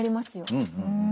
うんうん。